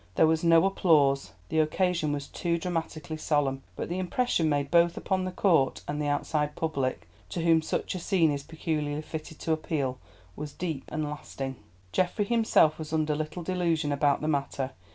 There was no applause, the occasion was too dramatically solemn, but the impression made both upon the court and the outside public, to whom such a scene is peculiarly fitted to appeal, was deep and lasting. Geoffrey himself was under little delusion about the matter.